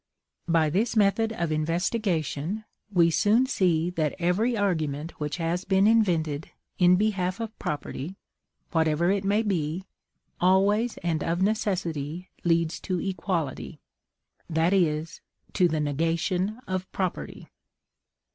By this method of investigation, we soon see that every argument which has been invented in behalf of property, WHATEVER IT MAY BE, always and of necessity leads to equality; that is, to the negation of property.